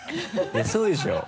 そうでしょ？